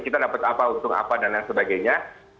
kita dapat apa untung apa dan lain sebagainya